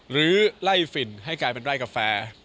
หรือไล่ฝิ่นให้กลายเป็นไร่กาแฟ